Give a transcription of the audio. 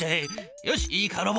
よしいいかロボ。